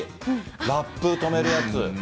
ラップ留めるやつ。